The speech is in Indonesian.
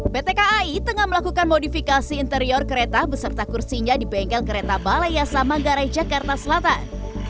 pt kai tengah melakukan modifikasi interior kereta beserta kursinya di bengkel kereta balai yasa manggarai jakarta selatan